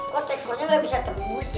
kok teko nya ga bisa tembus sih